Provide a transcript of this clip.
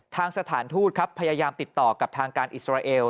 สถานทูตครับพยายามติดต่อกับทางการอิสราเอล